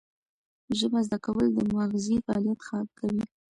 ژبه زده کول د مغزي فعالیت ښه کوي.